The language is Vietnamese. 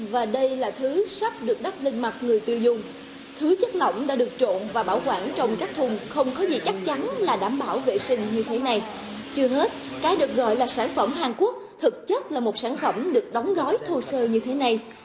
và đây là thứ sắp được đắp lên mặt người tiêu dùng thứ chất lỏng đã được trộn và bảo quản trong các thùng không có gì chắc chắn là đảm bảo vệ sinh như thế này chưa hết cái được gọi là sản phẩm hàn quốc thực chất là một sản phẩm được đóng gói thô sơ như thế này